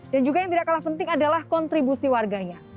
dan juga yang tidak kalah penting adalah kontribusi warganya